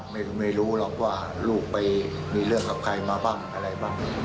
ไม่รู้ไม่รู้หรอกว่าลูกไปมีเรื่องกับใครมาบ้างอะไรบ้าง